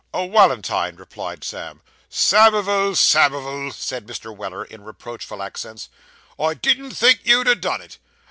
'A walentine,' replied Sam. 'Samivel, Samivel,' said Mr. Weller, in reproachful accents, 'I didn't think you'd ha' done it.